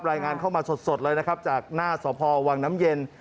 รายงานเข้ามาสดเลยนะครับจากหน้าสพวังน้ำเย็น